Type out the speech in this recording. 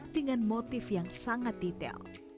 dengan motif yang sangat detail